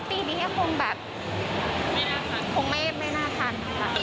ปีนี้รับงานที่เต็มถ้าเดี๋ยวมีหน้าว่างก็เริ่ม